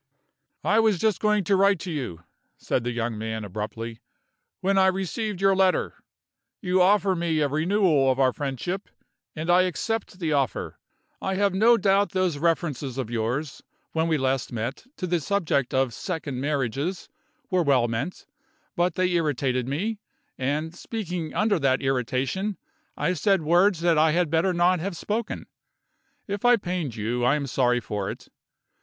"I was just going to write to you," said the young man, abruptly, "when I received your letter. You offer me a renewal of our friendship, and I accept the offer. I have no doubt those references of yours, when we last met, to the subject of second marriages were well meant, but they irritated me; and, speaking under that irritation, I said words that I had better not have spoken. If I pained you, I am sorry for it.